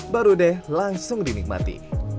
baru deh langsung dinikmati